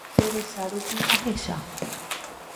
Che resa rupi ahecha.